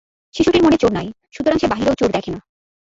শিশুটির মনে চোর নাই, সুতরাং সে বাহিরেও চোর দেখে না।